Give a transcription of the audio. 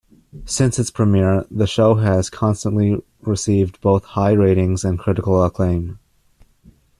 Since its premiere, the show has constantly received both high ratings and critical acclaim.